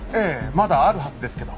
まだあるはずですけど。